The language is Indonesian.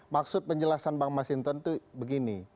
maksud penjelasan bang mas hinton itu begini